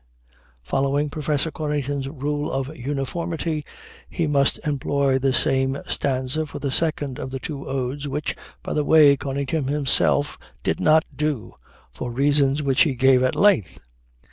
Following Professor Conington's rule of uniformity, he must employ the same stanza for the second of the two odes, which, by the way, Conington himself did not do, for reasons which he gave at length.